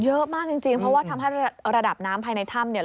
เยอะมากจริงเพราะว่าทำให้ระดับน้ำภายในถ้ำเนี่ย